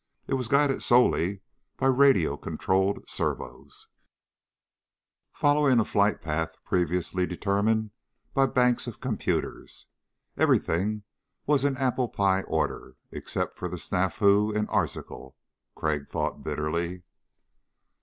It was guided solely by the radio controlled servos, following a flight path previously determined by banks of computers. Everything was in apple pie order, except for the snafu in Arzachel, Crag thought bitterly.